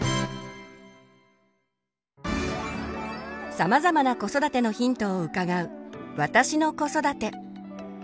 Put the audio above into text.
さまざまな子育てのヒントを伺う「私の子育て」。